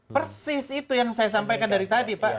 persis itu yang saya sampaikan dari tadi pak